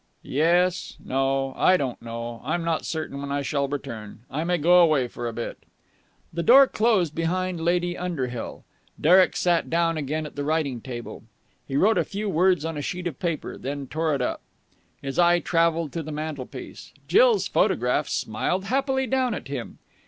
"Yes. No. I don't know. I'm not certain when I shall return. I may go away for a bit." The door closed behind Lady Underhill. Derek sat down again at the writing table. He wrote a few words on a sheet of paper, then tore it up. His eye travelled to the mantelpiece. Jill's photograph smiled happily down at him.